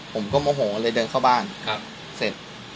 ผมก็โมโหเลยเดินเข้าบ้านเสร็จ